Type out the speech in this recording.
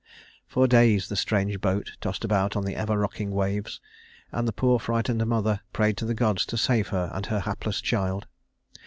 For days the strange boat tossed about on the ever rocking waves, and the poor frightened mother prayed to the gods to save her and her hapless child.